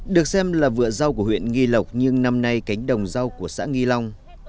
được xem là vựa rau của huyện nghi lộc nhưng năm nay cánh đồng rau của xã nghi long